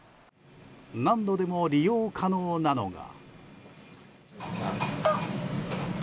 何度でも利用可能なのが。